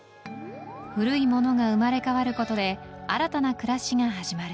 古いものが生まれ変わることで新たな暮らしが始まる